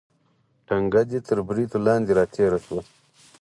ټنګه دې تر بریتو لاندې راتېره شوه.